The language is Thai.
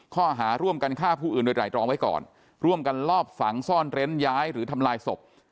ข้อหาร่วมกันฆ่าผู้อื่นโดยไตรรองไว้ก่อนร่วมกันลอบฝังซ่อนเร้นย้ายหรือทำลายศพ